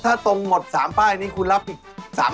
ถ้าตรงหมด๓ป้ายนี้คุณรับอีก๓๐๐๐๐นะครับ